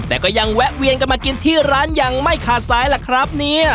แต่ก็ยังแวะเวียนกันมากินที่ร้านอย่างไม่คาดสายแหละครับ